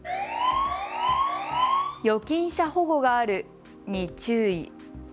預金者保護があるに注意。